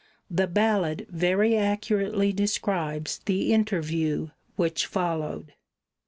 The ballad very accurately describes the interview which followed.